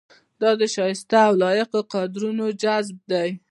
دا د شایسته او لایقو کادرونو جذب دی.